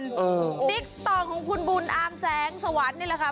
ดิกต่อของคุณบุญอามแสงสวัสดิ์นี่แหละค่ะ